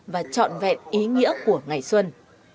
và trọn vẹn ý nghĩa của ngày xuân